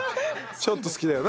ちょっと好きだよな。